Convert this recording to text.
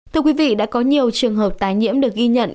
thưa quý vị đã có nhiều trường hợp tái nhiễm được ghi nhận